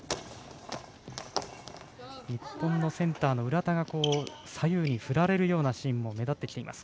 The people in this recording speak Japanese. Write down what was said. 日本のセンターの浦田が左右に振られるようなシーンも目立ってきています